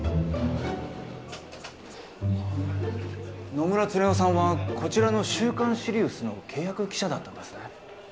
野村恒雄さんはこちらの『週刊シリウス』の契約記者だったんですね？